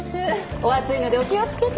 お熱いのでお気をつけて。